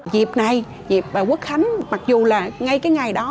dịp này dịp quốc khánh mặc dù là ngay cái ngày đó